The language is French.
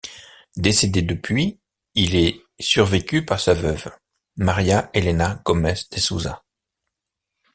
Décédé depuis, il est survécu par sa veuve, Maria Helena Gomes de Souza.